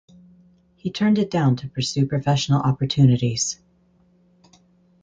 He turned it down to pursue professional opportunities.